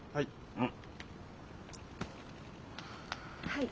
はい。